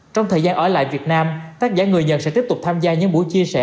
trong thời gian ở lại việt nam tác giả người nhật sẽ tiếp tục tham gia những buổi chia sẻ